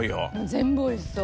全部美味しそう。